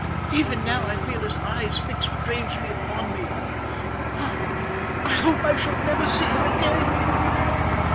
Even now I feel his eyes fixed strangely upon me. I hope I shall never see him again."